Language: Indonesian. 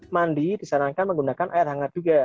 mandi disarankan menggunakan air hangat juga